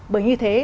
bởi như thế